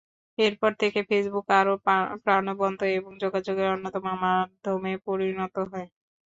এরপর থেকে ফেসবুক আরও প্রাণবন্ত এবং যোগাযোগের অন্যতম মাধ্যমে পরিণত হয়।